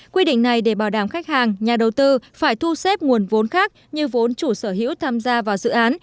quy định này để bảo đảm khách hàng nhà đầu tư phải thu xếp nguồn vốn khác như vốn chủ sở hữu tham gia vào dự án